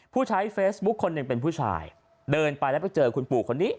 ผู้ใช้เฟซบุ๊คคนหนึ่งเป็นผู้ชายเดินไปแล้วไปเจอคุณปู่คนนี้